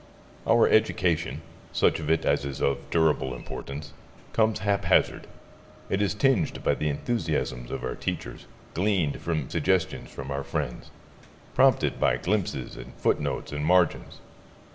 Our education such of it as is of durable importance comes haphazard. It is tinged by the enthusiasms of our teachers, gleaned by suggestions from our friends, prompted by glimpses and footnotes and margins.